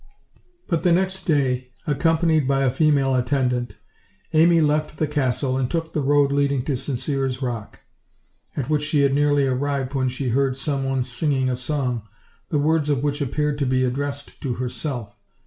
But the next day, accompanied by a female attendant, Amy left the castle and took the road leading toSincere's rock; at which she had nearly arrived when she heard some one singing a song, the words of which appeared to be addressed to herself.